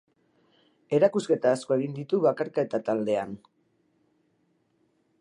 Erakusketa asko egin ditu bakarka eta taldean.